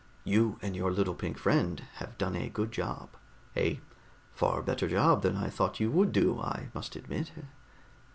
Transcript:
You and your little pink friend have done a good job, a far better job than I thought you would do, I must admit."